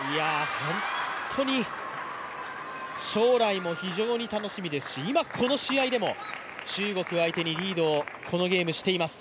ホントに、将来も非常に楽しみですし今この試合でも中国相手にリードをこのゲームしています。